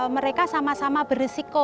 mereka sama sama berisiko